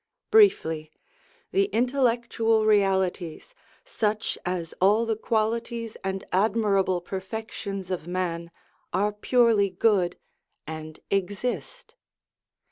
Briefly, the intellectual realities, such as all the qualities and admirable perfections of man, are purely good, and exist.